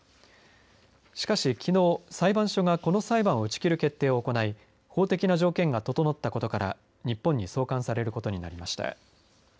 しかし、きのう裁判所がこの裁判を打ち切る決定を行い法的な条件が整ったことから日本に送還されることになりました。